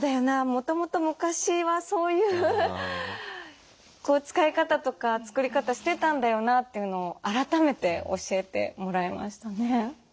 もともと昔はそういう使い方とか作り方してたんだよなというのを改めて教えてもらえましたね。